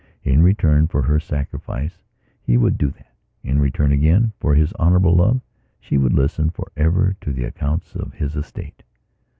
In return for her sacrifice he would do that. In return, again, for his honourable love she would listen for ever to the accounts of his estate.